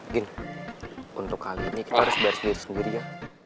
gini untuk kali ini kita harus bayar sendiri sendiri ya